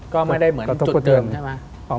ก็ไม่ได้เหมือนจุดเดิมใช่ไหม